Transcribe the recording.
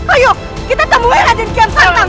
ayo kita temui raden kian santang